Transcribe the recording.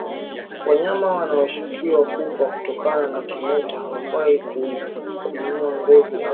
Wanyama wanaoshukiwa kufa kutokana na kimeta hawafai kuchunwa ngozi au viungo vyake kufunguliwa wazi